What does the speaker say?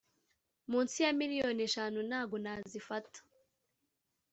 munsi ya miliyoni eshanu ntago nazifata